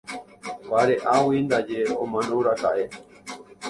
Vare'águi ndaje omanóraka'e.